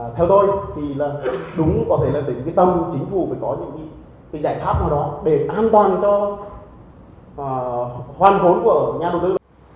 theo tôi thì là đúng có thể là để cái tâm chính phủ phải có những cái giải pháp nào đó để an toàn cho khoan vốn của nhà đầu tư